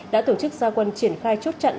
đã tổ chức gia quân triển khai chốt trận